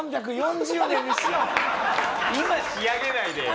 今仕上げないでよ。